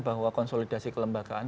bahwa konsolidasi kelembagaan